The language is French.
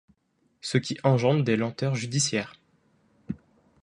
Ce qui engendre des lenteurs judiciaires.